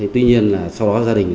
tuy nhiên sau đó gia đình